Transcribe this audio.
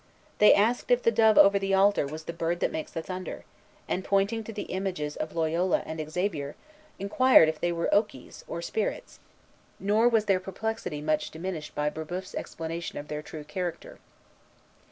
They asked if the dove over the altar was the bird that makes the thunder; and, pointing to the images of Loyola and Xavier, inquired if they were okies, or spirits: nor was their perplexity much diminished by Brébeuf's explanation of their true character.